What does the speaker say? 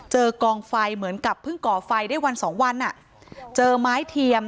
กองไฟเหมือนกับเพิ่งก่อไฟได้วันสองวันอ่ะเจอไม้เทียม